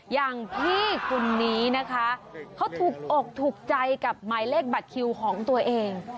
อย่างพี่คนนี้นะคะเขาถูกอกถูกใจกับหมายเลขบัตรคิวของตัวเอง